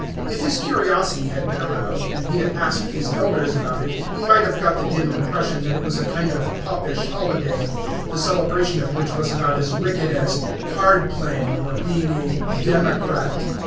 If his curiosity had been aroused, and he had asked his elders about it, he might have got the dim impression that it was a kind of Popish holiday, the celebration of which was about as wicked as "card playing," or being a "Democrat."